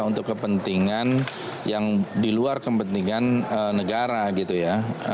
untuk kepentingan yang di luar kepentingan negara gitu ya